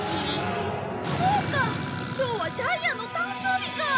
今日はジャイアンの誕生日か！